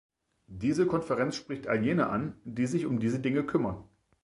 Diese Konferenz spricht all jene an, die sich um diese Dinge kümmern.